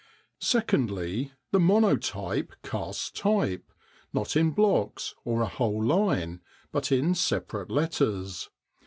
Secondly, the Monotype casts type, not in blocks or a whole line, but in separate letters.